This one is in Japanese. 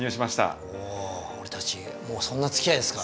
おお俺たちもうそんなつきあいですか。